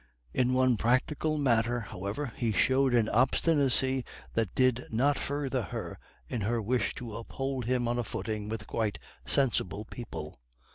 In one practical matter, however, he showed an obstinacy that did not further her in her wish to uphold him on a footing with quite sensible people.